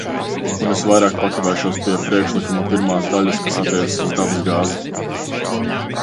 Un es vairāk pakavēšos pie priekšlikuma pirmās daļas, kas attiecas uz dabasgāzi.